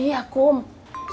saya cari ke posisi